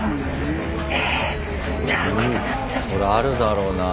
そらあるだろうなぁ。